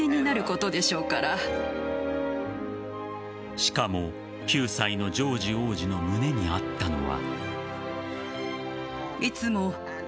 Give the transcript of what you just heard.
しかも、９歳のジョージ王子の胸にあったのは。